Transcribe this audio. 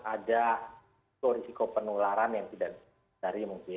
ada risiko penularan yang tidak dari mungkin